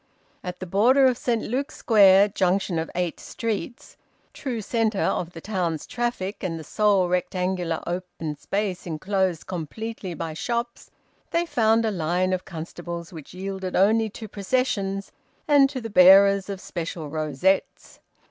At the border of Saint Luke's Square, junction of eight streets, true centre of the town's traffic, and the sole rectangular open space enclosed completely by shops, they found a line of constables which yielded only to processions and to the bearers of special rosettes.